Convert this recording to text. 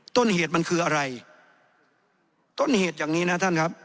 ต้นเหตุมันคืออะไรต้นเหตุอย่างนี้นะท่านครับ